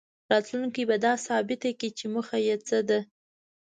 راتلونکې به دا ثابته کړي چې موخه یې څه ده.